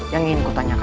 yang ingin ku tanyakan